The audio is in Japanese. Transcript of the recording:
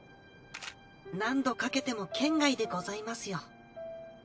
何度かけても圏外でございますよ。